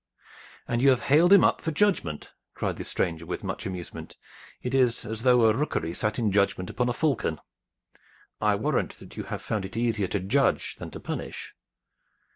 "And you have haled him up for judgment," cried the stranger with much amusement. "It is as though a rookery sat in judgment upon a falcon. I warrant that you have found it easier to judge than to punish.